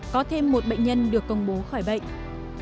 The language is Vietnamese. có thêm một bệnh nhân được công bố khỏi bệnh